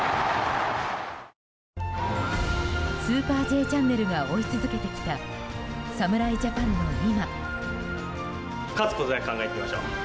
「スーパーＪチャンネル」が追い続けてきた侍ジャパンの今。